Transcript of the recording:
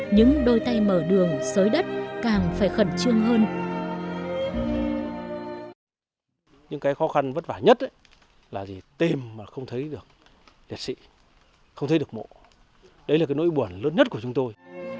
những cái khó khăn vất vả nhất là tìm mà không thấy được liệt sĩ không thấy được mộ đấy là cái nỗi buồn lớn nhất của chúng tôi